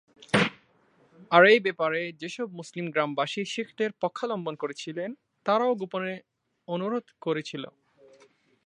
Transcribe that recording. আর এ ব্যাপারে যেসব মুসলিম গ্রামবাসী শিখদের পক্ষাবলম্বন করেছিলেন তারাও গোপনে অনুরোধ করেছিল।